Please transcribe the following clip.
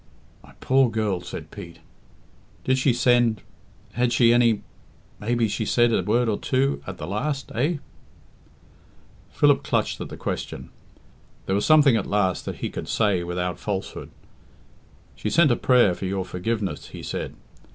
"My poor girl!" said Pete. "Did she send had she any maybe she said a word or two at the last, eh?" Philip clutched at the question. There was something at last that he could say without falsehood. "She sent a prayer for your forgiveness," he said.